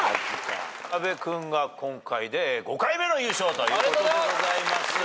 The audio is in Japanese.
阿部君が今回で５回目の優勝ということでございます。